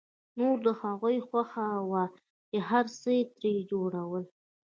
نوره د هغوی خوښه وه چې هر څه يې ترې جوړول.